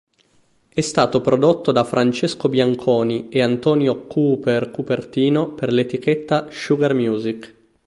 È stato prodotto da Francesco Bianconi e Antonio "Cooper" Cupertino per l'etichetta Sugar Music.